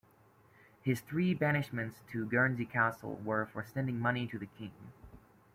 His three banishments to Guernsey Castle were for sending money to the king.